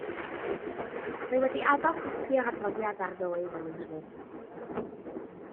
Rwy wedi addo copi o'r adroddiad ar ddoe iddyn nhw hefyd.